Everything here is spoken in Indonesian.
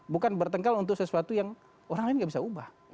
bukan bertengkal untuk sesuatu yang orang lain gak bisa ubah